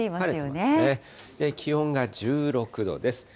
気温が１６度です。